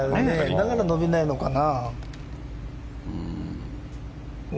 だから伸びないのかな。